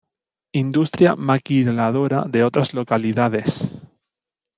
Industria Maquiladora de otras localidades.